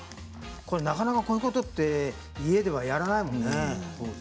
なかなかこういうことって家ではやらないもんね。